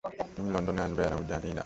তুমি লন্ডনে আসবে, আর আমি জানিই না।